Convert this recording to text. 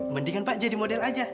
mendingan pak jadi model aja